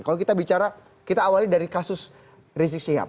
kalau kita bicara kita awali dari kasus rizik syihab